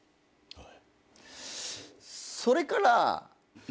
はい。